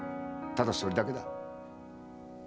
ただそれだけだ。